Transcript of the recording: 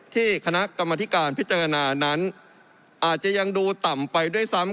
คณะกรรมธิการพิจารณานั้นอาจจะยังดูต่ำไปด้วยซ้ำ